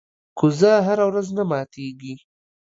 کوزه هره ورځ نه ماتېږي.